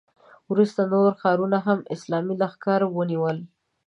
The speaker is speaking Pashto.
وروسته نور ښارونه هم اسلامي لښکرو ونیول.